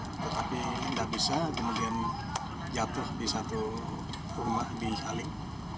tetapi tidak bisa kemudian jatuh di satu rumah di saling